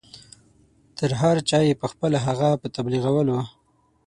تر هر چا یې پخپله هغه په تبلیغولو.